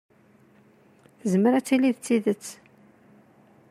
Tezmer ad tili d tidet.